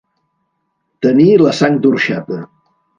Tenir la sang d'orxata.